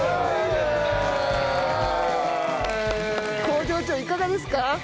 工場長いかがですか？